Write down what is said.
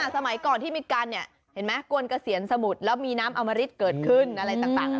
สมัยก่อนที่มีการเห็นไหมกวนเกษียณสมุทรแล้วมีน้ำอมริตเกิดขึ้นอะไรต่าง